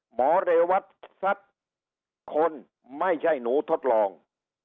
หมอเรวัตรสัตว์คนไม่ใช่หนูทดลอง